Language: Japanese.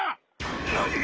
何！？